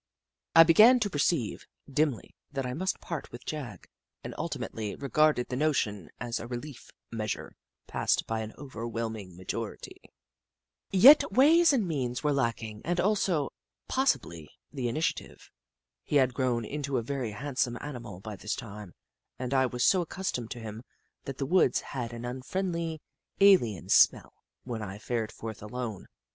I began to perceive, dimly, that I must part with Jagg, and ultimately regarded the notion as a relief measure passed by an overwhelm ing majority. Yet ways and means were lacking, and also, possibly, the initiative. He had grown into a very handsome animal by this time, and I was so accustomed to him that the woods had an unfriendly, alien smell when I fared forth alone.